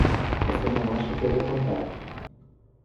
Você não acha que eu vou contar!